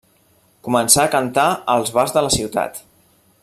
Començà a cantar als bars de la ciutat.